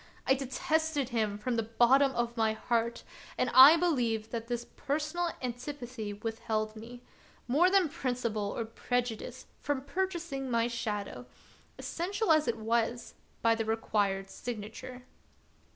I detested him from the bottom of my heart; and I believe 6o The Wonderf^ll History that this personal antipathy withheld me, more than principle or prejudice, from purchasing my shadow, essential as it was, by the required signature.